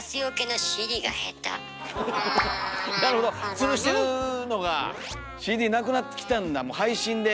つるしてるのがＣＤなくなってきたんだ配信で。